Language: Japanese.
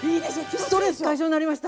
ストレス解消になりました。